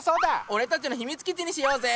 俺たちの秘密基地にしようぜ！